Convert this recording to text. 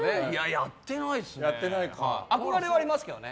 やってないですね。